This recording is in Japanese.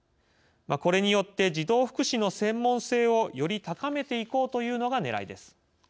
これによって児童福祉の専門性をより高めていこうというのがねらいです。